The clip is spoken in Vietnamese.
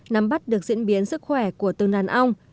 nắm bắt được diễn biến sức khỏe của từng đàn ong